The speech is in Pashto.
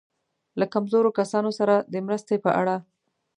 له کمزورو کسانو سره د مرستې په اړه.